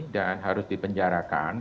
dan harus dipenjarakan